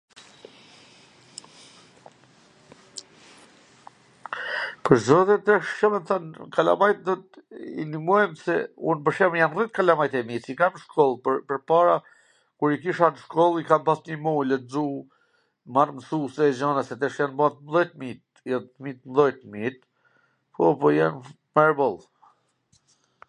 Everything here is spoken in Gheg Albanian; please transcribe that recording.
Pwr zotin tash Ca me t than, kalamajt do t..., i ndimojm se, un pwr shembwll jan rrit kalamajt e mi, s i kam nw shkoll, pwrpara, kur i kisha n shkoll, i kam pas nimu, lexu, marr msuse e gjana, se tashi jan ba t mdhenj t mijt, jan fmij t mdhenj t mijt, po, po, jan mirboll.